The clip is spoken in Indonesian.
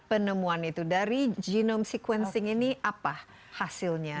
penemuan itu dari genome sequencing ini apa hasilnya